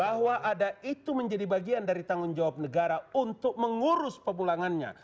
bahwa ada itu menjadi bagian dari tanggung jawab negara untuk mengurus pemulangannya